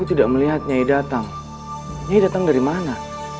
tidak melihat nyai datang nyai datang dari mana